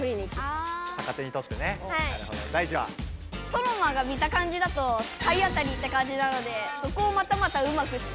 ソノマが見たかんじだと体当たりってかんじなのでそこをまたまたうまく使って。